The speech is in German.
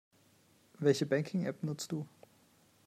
Welche Banking-App nutzt du?